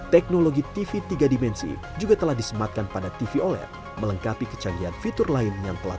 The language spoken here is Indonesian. teknologi tv tiga dimensi juga telah disematkan pada tv oled melengkapi kecanggihan fitur lain yang telah